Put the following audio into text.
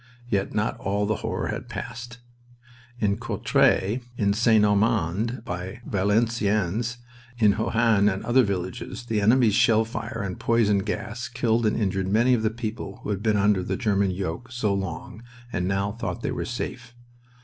Yet not all the horror had passed. In Courtrai, in St. Amand by Valenciennes, in Bohain, and other villages, the enemy's shell fire and poison gas killed and injured many of the people who had been under the German yoke so long and now thought they were safe.